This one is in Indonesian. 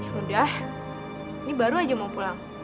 ya udah ini baru aja mau pulang